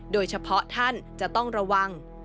โดยเฉพาะท่านจะต้องระวัง